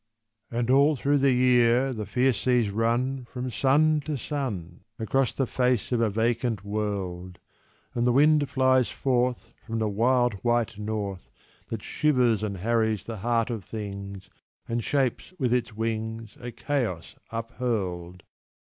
And all thro' the year, The fierce seas run From sun to sun, Across the face of a vacant world! And the Wind flies forth From the wild, white North, That shivers and harries the heart of things, And shapes with its wings A chaos uphurled!